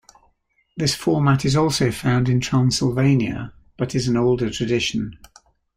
This format is also found in Transylvania but is an older tradition.